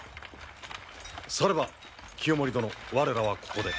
されば清盛殿我らはここで。